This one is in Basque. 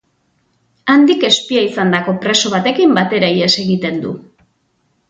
Handik espia izandako preso batekin batera ihes egiten du.